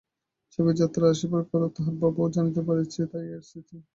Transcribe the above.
সে ভাবে, যাত্রা আসিবার কথা তাহার বাবাও জানিতে পারিযাছে, তাই এত স্মৃর্তি।